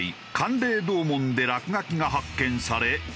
嶺洞門で落書きが発見され。